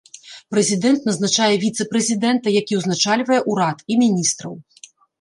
Прэзідэнт назначае віцэ-прэзідэнта, які ўзначальвае ўрад, і міністраў.